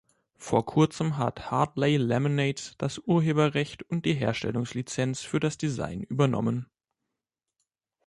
Vor kurzem hat Hartley Laminates das Urheberrecht und die Herstellungslizenz für das Design übernommen.